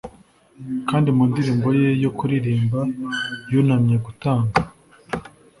kandi mu ndirimbo ye yo kuririmba yunamye gutanga